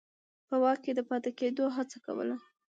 په واک کې د پاتې کېدو هڅه کوله.